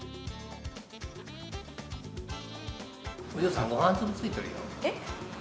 お嬢さん、ごはん粒付いとるよ。